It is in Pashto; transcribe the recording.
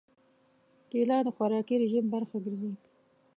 کېله د خوراکي رژیم برخه ګرځي.